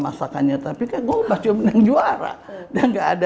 masakannya tapi kan gue pas menang juara